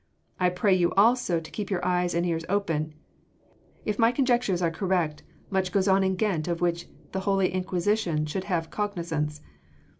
I pray you also to keep your eyes and ears open ... an my conjectures are correct, much goes on in Ghent of which the Holy Inquisition should have cognisance.